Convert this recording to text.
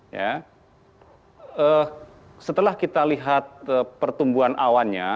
ya setelah kita lihat pertumbuhan awannya